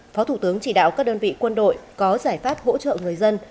phó thủ tướng chỉ đạo các đơn vị quân đội có giải pháp hỗ trợ người dân